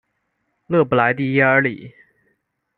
勒布莱蒂耶尔里。